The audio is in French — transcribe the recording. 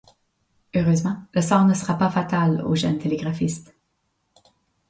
Heureusement, le sort ne sera pas fatal au jeune télégraphiste...